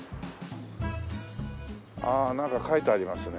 ああなんか書いてありますね。